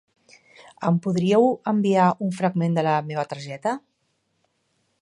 Em podríeu enviar un fragment de la meva targeta?